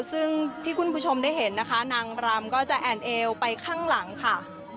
ซึ่งที่คุณผู้ชมได้เห็นนะคะนางรำก็จะแอนเอวไปข้างหลังค่ะ